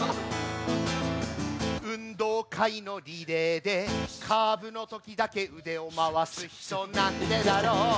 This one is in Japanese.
運動会のリレーでカーブのときだけ腕を回す人なんでだろう？